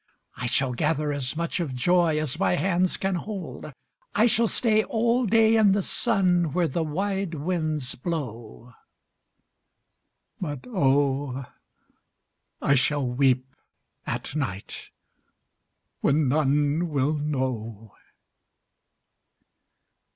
I shall gather as much of joy As my hands can hold. I shall stay all day in the sun Where the wide winds blow, But oh, I shall weep at night When none will know.